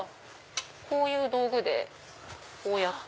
こういう道具でこうやって。